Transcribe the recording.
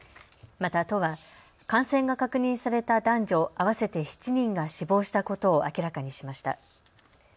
また都は感染が確認された男女合わせて７人が死亡したことを明らかにしました。